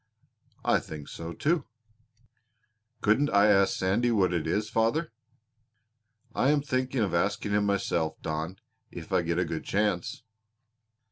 "I think so too." "Couldn't I ask Sandy what it is, father?" "I am thinking of asking him myself, Don, if I get a good chance."